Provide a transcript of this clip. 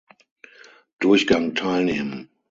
Durchgang teilnehmen.